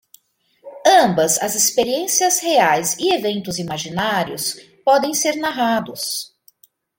Ambas as experiências reais e eventos imaginários podem ser narrados.